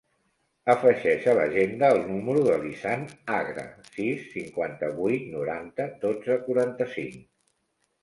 Afegeix a l'agenda el número de l'Izan Agra: sis, cinquanta-vuit, noranta, dotze, quaranta-cinc.